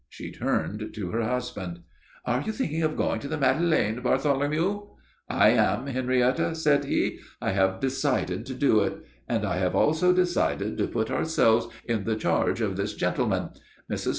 She turned to her husband. "Are you thinking of going to the Madeleine, Bartholomew?" "I am, Henrietta," said he. "I have decided to do it. And I have also decided to put ourselves in the charge of this gentleman. Mrs.